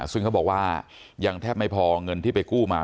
ซึ่งเขาบอกว่ายังแทบไม่พอเงินที่ไปกู้มา